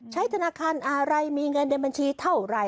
ธนาคารอะไรมีเงินในบัญชีเท่าไหร่